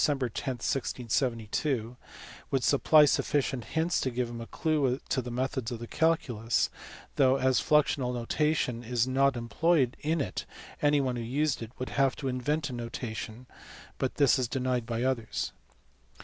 10, 1672, would supply sufficient hints to give him a clue to the methods of the calculus, though as the fluxional notation is not em ployed in it anyone who used it would have to invent a notation; but this is denied by others.